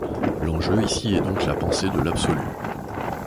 L'enjeu ici est donc la pensée de l'absolu.